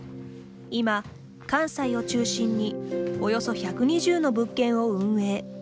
今、関西を中心におよそ１２０の物件を運営。